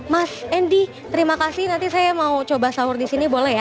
mas andy terima kasih nanti saya mau coba sahur disini boleh ya